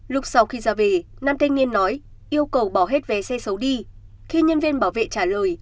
lúc sau khi ra về nam thanh niên nói yêu cầu bỏ hết vé xe xấu đi khi nhân viên bảo vệ trả lời